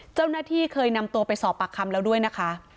เจ้าหน้าที่เคยนำตัวไปสอบปากคำแล้วด้วยนะคะ